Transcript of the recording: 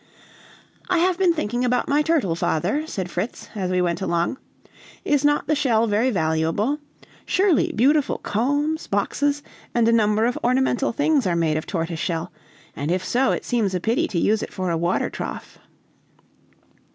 "I have been thinking about my turtle, father," said Fritz, as we went along; "is not the shell very valuable? Surely beautiful combs, boxes, and a number of ornamental things are made of tortoise shell, and if so, it seems a pity to use it for a water trough."